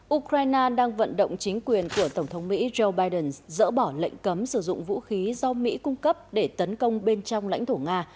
ukraine đang vận động chính quyền của tổng thống mỹ joe biden dỡ bỏ lệnh cấm sử dụng vũ khí do mỹ cung cấp để tấn công bên trong lãnh thổ nga